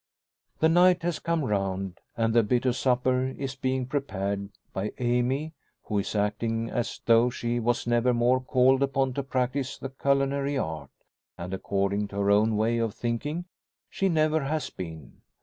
The night has come round, and the "bit o' supper" is being prepared by Amy, who is acting as though she was never more called upon to practise the culinary art; and, according to her own way of thinking, she never has been.